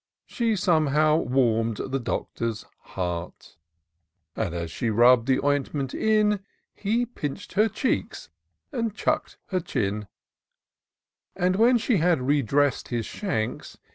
She somehow warm'd the Doctor's heart ; And, as she rubb'd the ointment in, He pinch'd her cheeks and chuck'd her chin ; And, when she had re dress'd his shanks.